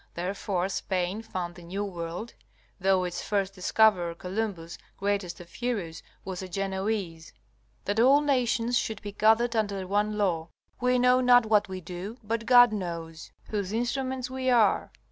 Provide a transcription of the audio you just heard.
Therefore Spain found the New World (though its first discoverer, Columbus, greatest of heroes, was a Genoese), that all nations should be gathered under one law. We know not what we do, but God knows, whose instruments we are.